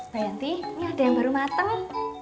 bayanti ini ada yang baru mateng